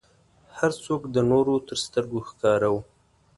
هر څوک د نورو تر سترګو ښکاره و.